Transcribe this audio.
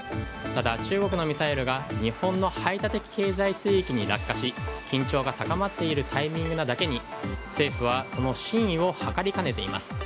ただ中国のミサイルが日本の排他的経済水域に落下し緊張が高まっているタイミングなだけに政府はその真意をはかりかねています。